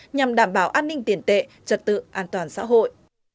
nhằm đảm bảo an ninh tiền tệ trật tự an toàn xã hội